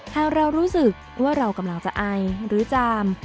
หากเรารู้สึกว่าเรากำลังจะไอหรือจาม